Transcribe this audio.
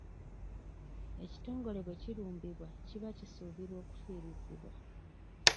Ekitongole bwe kirumbibwa kiba kisuubirwa okufiirizibwa.